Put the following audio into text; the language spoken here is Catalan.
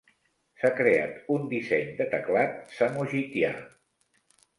S'ha creat un disseny de teclat samogitià.